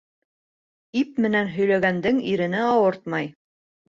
Ип менән һөйләгәндең ирене ауыртмай.